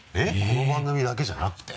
この番組だけじゃなくて？